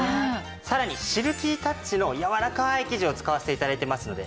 さらにシルキータッチのやわらかい生地を使わせて頂いてますので。